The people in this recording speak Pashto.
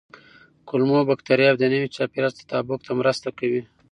کولمو بکتریاوې د نوي چاپېریال سره تطابق ته مرسته کوي.